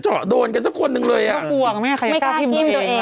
หยดเลือดแย่ยากสุด